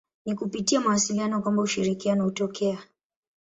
Ni kupitia mawasiliano kwamba ushirikiano hutokea.